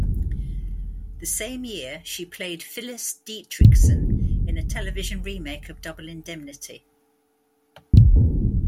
The same year, she played Phyllis Dietrichson in a television remake of "Double Indemnity".